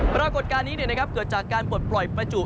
ปรากฏการณ์นี้เกิดจากการปลดปล่อยประจุ